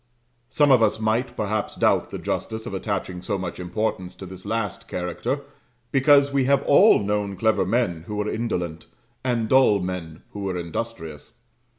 Some of us might, perhaps, doubt the justice of attaching so much importance to this last character, because we have all known clever men who were indolent, and dull men who were industrious.